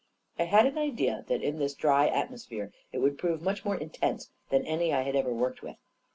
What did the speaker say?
I had an idea that in this dry atmosphere it would prove much more intense than any I had ever worked with.